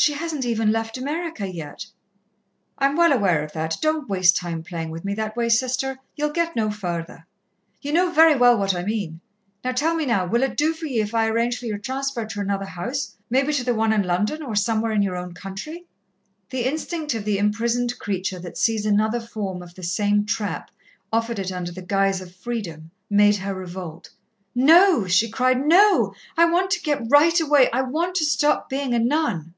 She hasn't even left America yet." "I'm well aware of that. Don't waste time playing with me that way, Sister, ye'll get no further. Ye know very well what I mean. Now, tell me now, will it do for ye if I arrange for your transfer to another house maybe to the one in London, or somewhere in your own country?" The instinct of the imprisoned creature that sees another form of the same trap offered it under the guise of freedom, made her revolt. "No," she cried. "No! I want to get right away I want to stop being a nun."